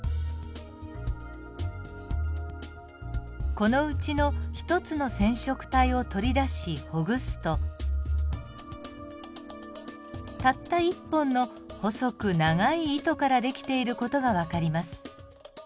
このうちの１つの染色体を取り出しほぐすとたった１本の細く長い糸から出来ている事が分かります。